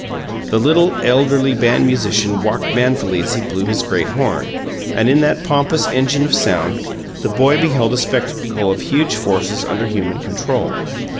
The little, elderly band musician walked manfully as he blew his great horn; and in that pompous engine of sound, the boy beheld a spectacle of huge forces under human control.